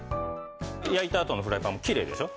焼いたあとのフライパンもきれいでしょ？